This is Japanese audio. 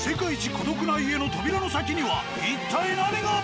孤独な家の扉の先には一体何が？